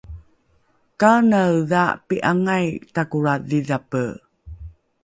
Kanaedha pi'angai takolra dhidhape?